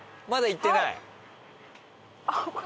まだいってない？